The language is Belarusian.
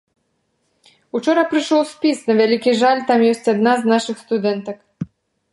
Учора прыйшоў спіс, на вялікі жаль, там ёсць адна з нашых студэнтак.